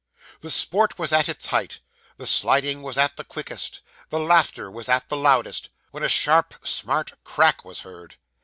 The sport was at its height, the sliding was at the quickest, the laughter was at the loudest, when a sharp smart crack was heard.